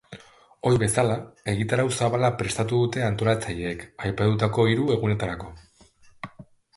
Ohi bezala, egitarau zabala prestatu dute antolatzaileek aipatutako hiru egunetarako.